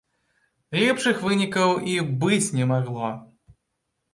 Лепшых вынікаў і быць не магло.